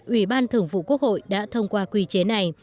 ủy ban thường vụ quốc hội đã thông qua quy chế này